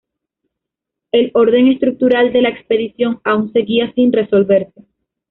El orden estructural de la expedición aún seguía sin resolverse.